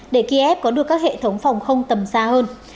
để kiev có được các hệ thống phòng không tầm xa hơn